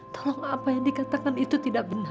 tolong apa yang dikatakan itu tidak benar